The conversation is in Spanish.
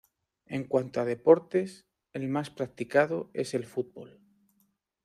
En cuanto a deportes, el más practicado es el fútbol.